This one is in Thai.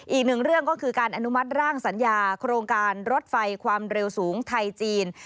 อีกหนึ่งเรื่องก็คือการอนุมัติร่างสัญญาโครงการรถไฟความเร็วสูงไทยจีน